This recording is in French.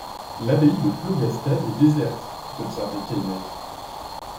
L'abbaye de Plogastel est déserte, fit observer Keinec.